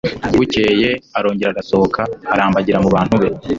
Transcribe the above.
bukeye arongera arasohoka arambagira mu bantu be